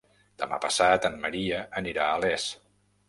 Demà passat en Maria anirà a Les.